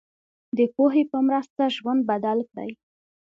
د پوهې په مرسته ژوند بدل کړئ.